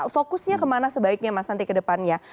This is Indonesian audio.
fokusnya kemana sebaiknya mas nanti ke depannya